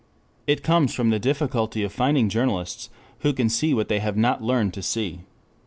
It comes from the difficulty of finding journalists who can see what they have not learned to see.